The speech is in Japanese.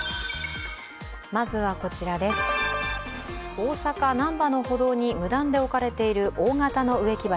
大阪・難波の歩道に無断で置かれている大型の植木鉢